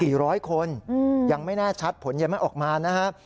กี่ร้อยคนยังไม่แน่ชัดผลเยี่ยมมันออกมานะครับ